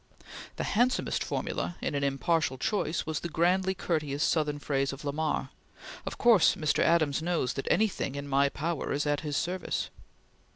The handsomest formula, in an impartial choice, was the grandly courteous Southern phrase of Lamar: "Of course Mr. Adams knows that anything in my power is at his service."